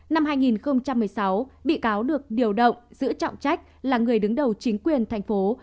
năm hai nghìn một mươi sáu bị cáo được điều động giữ trọng trách là người đứng đầu chính quyền thành phố